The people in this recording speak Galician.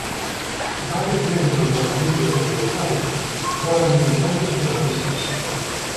Varios membros da familia do seu pai foran militantes peronistas.